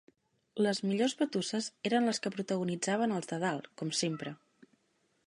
Les millors batusses eren les que protagonitzaven els de dalt, com sempre.